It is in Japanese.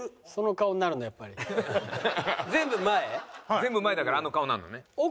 全部前だからあの顔になるのね。